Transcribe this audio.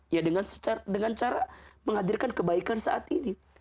ya dengan cara menghadirkan kebaikan saat ini